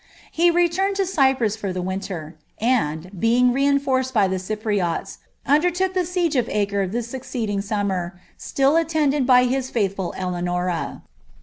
He returned to Cyprus for the winter, and, htjng reinforced by the Cypriots, undetlook the siege of Acre the succeeding ', aumnier, still atienilcd by his faithful Eleanorti.